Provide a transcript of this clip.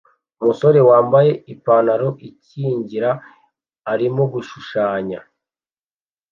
Umusore wambaye ipantaro ikingira arimo gushushanya